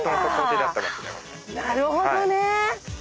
なるほどね。